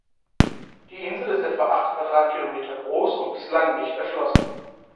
Die Insel ist etwa acht Quadratkilometer groß und bislang nicht erschlossen.